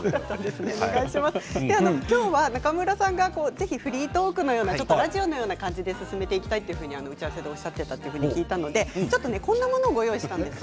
今日は中村さんがぜひフリートークのようなラジオのような感じで進めていきたいと打ち合わせでおっしゃっていたと聞いたのでちょっとこんなものをご用意しました。